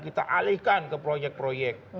kita alihkan ke proyek proyek